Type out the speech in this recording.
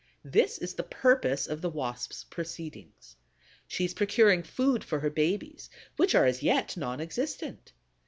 This is the purpose of the Wasp's proceedings. She is procuring food for her babies, which are as yet non existent.